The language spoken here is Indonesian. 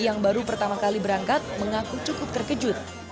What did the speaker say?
yang baru pertama kali berangkat mengaku cukup terkejut